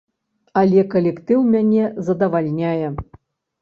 Але калектыў мяне задавальняе.